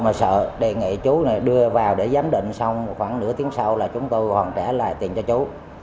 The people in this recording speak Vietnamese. mà sợ đề nghị chú này đưa vào để giám định xong khoảng nửa tiếng sau là chúng tôi hoàn trả lại tiền cho chú